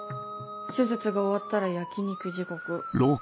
手術が終わったら焼き肉地獄。